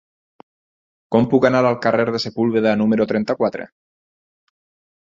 Com puc anar al carrer de Sepúlveda número trenta-quatre?